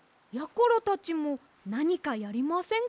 ころたちもなにかやりませんか？